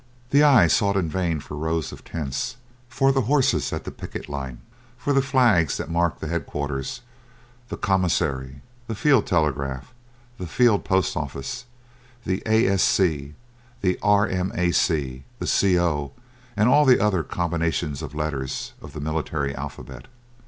The eye sought in vain for rows of tents, for the horses at the picket line, for the flags that marked the head quarters, the commissariat, the field telegraph, the field post office, the A. S. C., the R. M. A. C., the C. O., and all the other combinations of letters of the military alphabet.